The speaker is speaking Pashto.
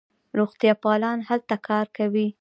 روغتیاپالان هلته کار کوي.